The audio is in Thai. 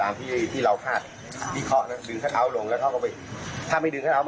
มีเอ่อโทษนะมีอยู่หกตัวแล้วมีกันตัว